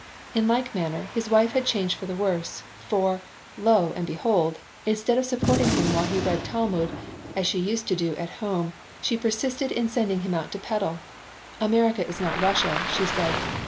In like manner, his wife had changed for the worse, for, lo and behold! instead of supporting him while he read Talmud, as she used to do at home, she persisted in sending him out to peddle. "America is not Russia," she said.